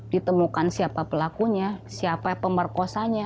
ditemukan siapa pelakunya siapa pemerkosanya